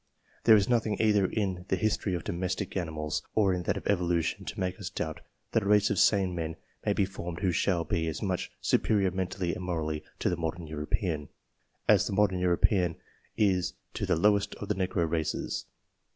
There is nothing either in the history of domestic animals or in that of evolution to make us doubt that a race of sane men may be formed } who shall be as much superior mentally and morally to the modern European, as the modern European is to the lowest of the Negro races.